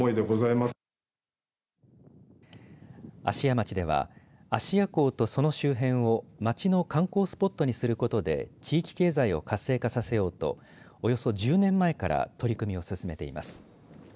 芦屋町では芦屋港とその周辺を町の観光スポットにすることで地域経済を活性化させようとおよそ１０年前から取り組みを進めています。